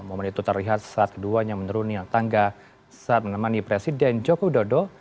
momen itu terlihat saat keduanya menuruni tangga saat menemani presiden joko widodo